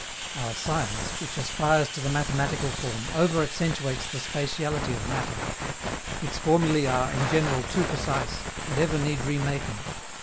Our science, which aspires to the mathematical form, over accentuates the spatiality of matter; its formulae are, in general, too precise, and ever need remaking.